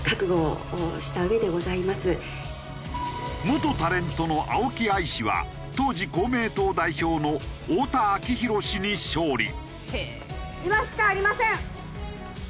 元タレントの青木愛氏は当時公明党代表の太田昭宏氏に勝利。